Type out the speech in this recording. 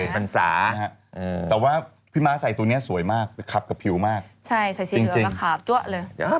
๘๐พันศาแต่ว่าพี่ม้าใส่ตัวเนี่ยสวยมากขับกับผิวมากจริงใช่ใส่สีเหลืองมาขับจั๊วเลย